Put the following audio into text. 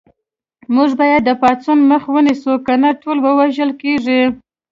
موږ باید د پاڅون مخه ونیسو کنه ټول وژل کېږو